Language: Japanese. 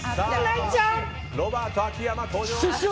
ロバート秋山、登場！